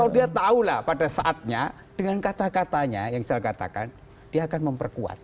dia tahu lah pada saatnya dengan kata katanya yang saya katakan dia akan memperkuat